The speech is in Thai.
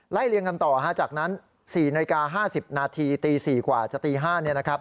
ไล่เรียงกันต่อจากนั้น๔นาที๕๐นาทีตี๔กว่าจะตี๕นาที